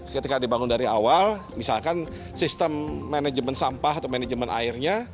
ketika dibangun dari awal misalkan sistem manajemen sampah atau manajemen airnya